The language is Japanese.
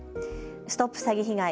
ＳＴＯＰ詐欺被害！